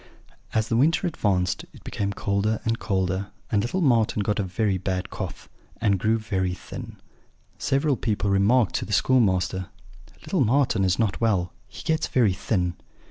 "As the winter advanced it became colder and colder, and little Marten got a very bad cough, and grew very thin. Several people remarked to the schoolmaster, 'Little Marten is not well; he gets very thin.'